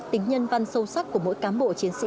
tính nhân văn sâu sắc của mỗi cám bộ chiến sĩ